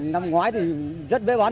năm ngoái thì rất bế bán